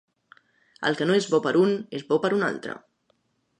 El que no és bo per un, és bo per un altre.